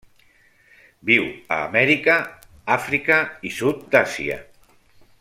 Viu a Amèrica, Àfrica i sud d'Àsia.